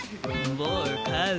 もう帰る。